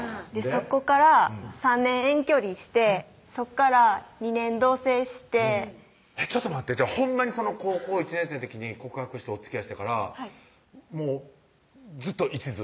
そこから３年遠距離してそこから２年同棲してちょっと待ってほんまにその高校１年生の時に告白しておつきあいしてからもうずっといちず？